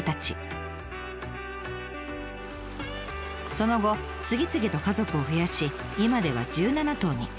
その後次々と家族を増やし今では１７頭に。